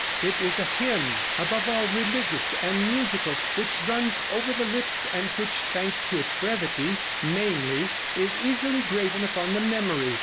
It is a hymn, above all religious and musical, which runs over the lips and which, thanks to its brevity, mainly, is easily graven upon the memory.